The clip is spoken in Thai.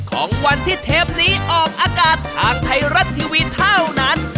ของวันที่เทปนี้ออกอากาศทางไทยรัฐทีวีเท่านั้น